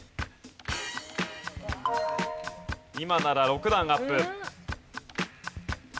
今なら６段アップ。